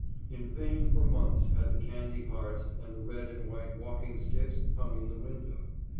In vain for months had the candy hearts and the red and white walking sticks hung in the window.